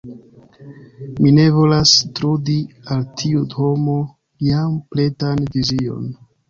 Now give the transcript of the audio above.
Mi ne volas trudi al tiu homo jam pretan vizion.